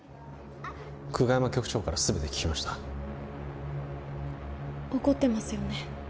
久我山局長から全て聞きました怒ってますよね？